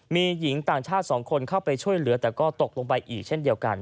มีหญิงต่างชาติ๒คนเข้าไปช่วยเหลือแต่ก็ตกลงไปอีกเช่นเดียวกัน